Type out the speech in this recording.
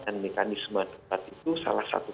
dan mekanisme debat itu salah satu